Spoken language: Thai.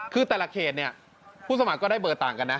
คือแต่ละเขตเนี่ยผู้สมัครก็ได้เบอร์ต่างกันนะ